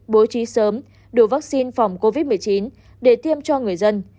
bố trí sớm đủ vaccine phòng covid một mươi chín để tiêm cho người dân